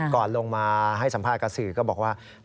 ก่อนลงมาให้สัมภาษณ์กับสื่อก็บอกว่า